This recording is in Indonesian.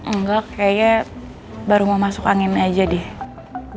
enggak kayaknya baru mau masuk anginnya aja deh